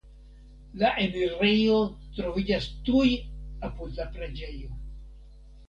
La enirejo troviĝas tuj apud la preĝejo.